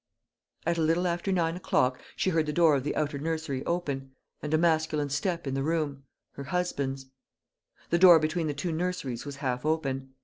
At a little after nine o'clock, she heard the door of the outer nursery open, and a masculine step in the room her husband's. The door between the two nurseries was half open.